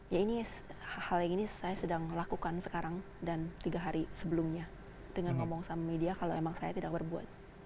ya ini hal yang ini saya sedang lakukan sekarang dan tiga hari sebelumnya dengan ngomong sama media kalau emang saya tidak berbuat